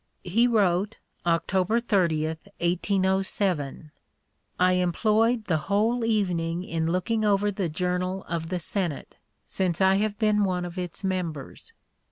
He wrote, October 30, 1807: "I employed the whole evening in looking over (p. 067) the Journal of the Senate, since I have been one of its members.